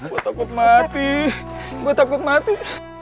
gue takut mati gue takut mati